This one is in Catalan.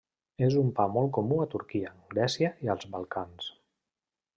És un pa molt comú a Turquia, Grècia i als Balcans.